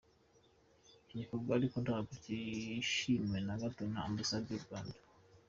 Iki gikorwa ariko ntabwo kishimiwe na gato na Ambasade y’u Rwanda.